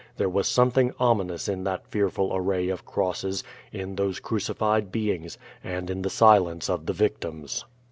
There was something ominous in that fearful array of crosses, in tliose crucified beings, and in the silence of the victims.